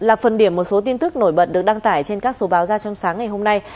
là phần điểm một số tin tức nổi bật được đăng tải trên các số báo ra trong sáng ngày hôm nay